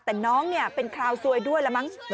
แต่น้องเป็นคราวซวยด้วยแล้วมั้ง